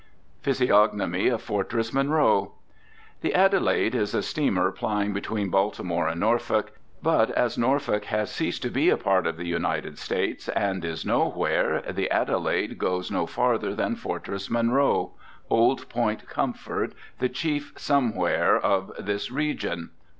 PHYSIOGNOMY OF FORTRESS MONROE. The "Adelaide" is a steamer plying between Baltimore and Norfolk. But as Norfolk has ceased to be a part of the United States, and is nowhere, the "Adelaide" goes no farther than Fortress Monroe, Old Point Comfort, the chief somewhere of this region.